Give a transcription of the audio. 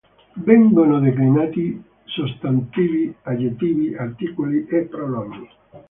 Vengono declinati sostantivi, aggettivi, articoli e pronomi.